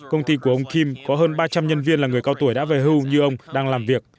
công ty của ông kim có hơn ba trăm linh nhân viên là người cao tuổi đã về hưu như ông đang làm việc